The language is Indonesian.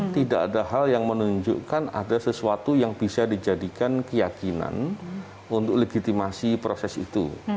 tidak ada hal yang menunjukkan ada sesuatu yang bisa dijadikan keyakinan untuk legitimasi proses itu